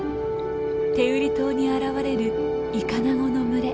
天売島に現れるイカナゴの群れ。